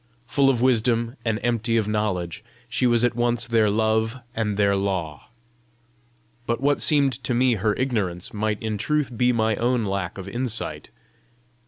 Full of wisdom and empty of knowledge, she was at once their Love and their Law! But what seemed to me her ignorance might in truth be my own lack of insight!